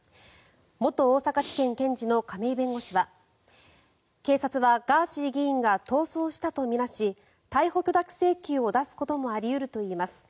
元大阪地検検事の亀井弁護士は警察はガーシー議員が逃走したと見なし逮捕許諾請求を出すこともあり得るといいます。